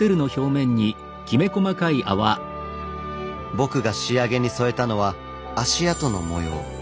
僕が仕上げに添えたのは足跡の模様。